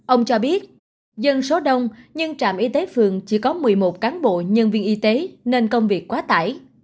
ông cho biết dân số đông nhưng trạm y tế phường chỉ có một mươi một cán bộ nhân viên y tế nên công việc quá tải